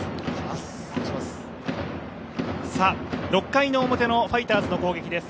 ６回表のファイターズの攻撃です。